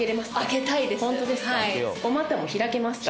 お股も開けますか？